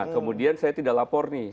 kemudian saya tidak lapor nih